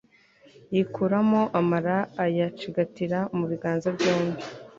yikuramo amara ayacigatira mu biganza byombi